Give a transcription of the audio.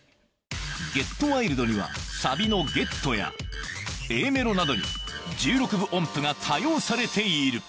『ＧｅｔＷｉｌｄ』にはサビの「Ｇｅｔ」や Ａ メロなどに１６分音符が多用されている